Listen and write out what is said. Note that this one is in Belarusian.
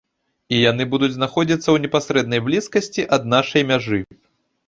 І яны будуць знаходзіцца ў непасрэднай блізкасці ад нашай мяжы!